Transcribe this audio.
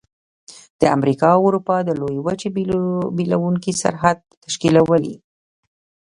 د امریکا او اروپا د لویې وچې بیلونکی سرحد تشکیلوي.